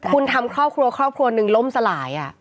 คุณทำครอบครัวครอบครัวหนึ่งล่มสลาย